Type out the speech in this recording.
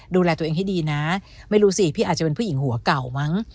ดูแลตัวเองให้ดีนะไม่รู้สิพี่อาจจะเป็นผู้หญิงหัวเก่ามั้ง